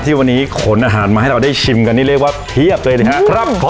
วันนี้ขนอาหารมาให้เราได้ชิมกันนี่เรียกว่าเพียบเลยนะครับ